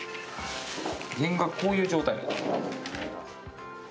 原画は、こういう状態。